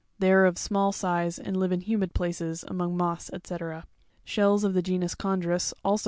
24): they are of small size, and live in humid places, among moss, Wc. Shells of the genus Chondrus also pig.